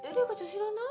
知らない？